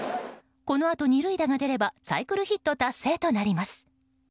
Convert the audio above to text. このあと２塁打が出ればサイクルヒット達成となります。